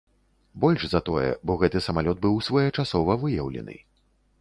Больш за тое, бо гэты самалёт быў своечасова выяўлены.